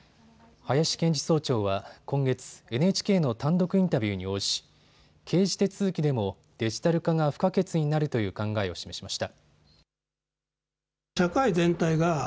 林検事総長は今月、ＮＨＫの単独インタビューに応じ刑事手続きでもデジタル化が不可欠になるという考えを示しました。